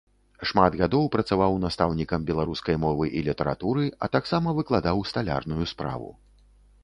Шмат гадоў працаваў настаўнікам беларускай мовы і літаратуры, а таксама выкладаў сталярную справу.